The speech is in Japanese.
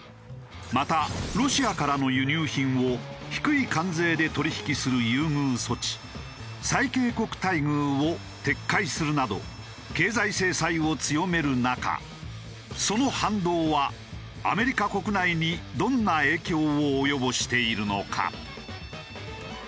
またロシアからの輸入品を低い関税で取引する優遇措置最恵国待遇を撤回するなど経済制裁を強める中その反動はアメリカ国内にどんな影響を及ぼしているのか？